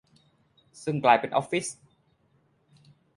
ซึ่งกลายเป็นออฟฟิศ ?